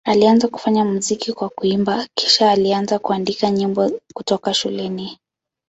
Alianza kufanya muziki kwa kuimba, kisha alianza kuandika nyimbo kutoka shuleni.